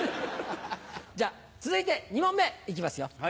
じゃあ続いて２問目いきますよ。